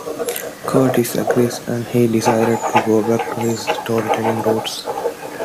Curtis agrees, and he decides to go back to his storytelling roots.